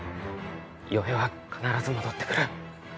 陽平は必ず戻ってくる。